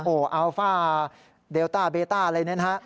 โอ้อัลฟ่าเดลต้าเบต้าอะไรแบบนี้นะฮะ